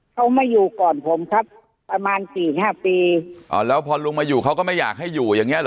เขามาอยู่ก่อนผมสักประมาณสี่ห้าปีอ๋อแล้วพอลุงมาอยู่เขาก็ไม่อยากให้อยู่อย่างเงี้หรอ